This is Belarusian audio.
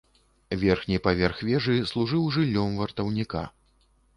Верхні паверх вежы служыў жыллём вартаўніка.